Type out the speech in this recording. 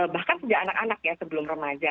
bahkan sejak anak anak ya sebelum remaja